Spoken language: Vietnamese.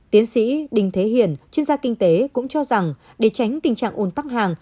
tiến sĩ đình thế hiền chuyên gia kinh tế cũng cho rằng để tránh tình trạng ôn tắc hàng